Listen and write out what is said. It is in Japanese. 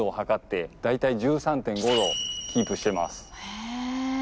へえ。